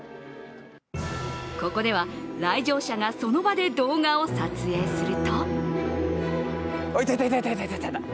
ここでは、来場者がその場で動画を撮影するといたいたいたいた。